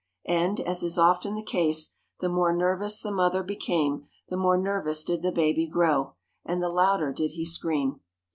And, as is often the case, the more nervous the mother became, the more nervous did the baby grow, and the louder did he scream.